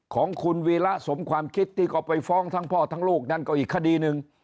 ของคุณวีระสมความคิดที่ก็ไปฟ้องทั้งพ่อทั้งลูกนั้นก็อีกคดีหนึ่ง